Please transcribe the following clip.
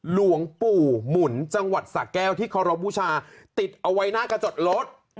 หลวงปู่หมุนจังหวัดสะแก้วที่เคารพบูชาติดเอาไว้หน้ากระจกรถ